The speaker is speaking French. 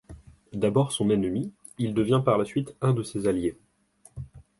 D'abord son ennemi, il devient par la suite un de ses alliés.